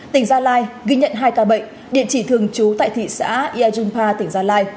tỉnh gia lai ghi nhận hai ca bệnh địa chỉ thường trú tại thị xã yàjunpa tỉnh gia lai